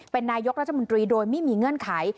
เป็นนายกรัฐมนตรีโดยไม่มีเงื่อนไข